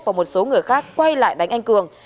và một số người khác quay lại đánh anh cường